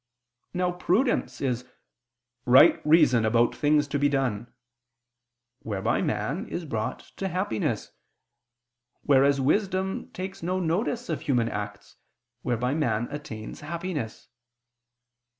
Now prudence is "right reason about things to be done," whereby man is brought to happiness: whereas wisdom takes no notice of human acts, whereby man attains happiness.